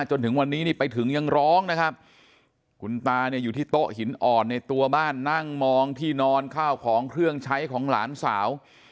จนถึงวันนี้นี่ไปถึงยังร้องนะครับคุณตาเนี่ยอยู่ที่โต๊ะหินอ่อนในตัวบ้านนั่งมองที่นอนข้าวของเครื่องใช้ของหลานสาว